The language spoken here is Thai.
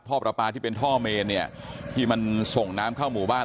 ประปาที่เป็นท่อเมนเนี่ยที่มันส่งน้ำเข้าหมู่บ้าน